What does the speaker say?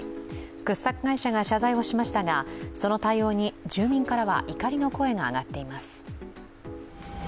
掘削会社が謝罪をしましたがその対応に住民からは怒りの声が上がっています。